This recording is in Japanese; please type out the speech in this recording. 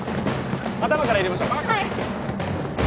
頭から入れましょうはい！